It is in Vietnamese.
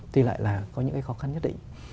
thì lại là có những cái khó khăn nhất định